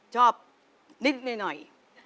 ชอบนิดหน่อย